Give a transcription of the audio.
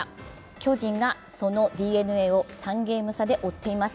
巨人がそのＤｅＮＡを３ゲーム差で追っています。